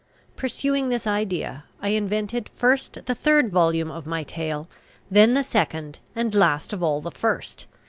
Pursuing this idea, I invented first the third volume of my tale, then the second, and last of all the first.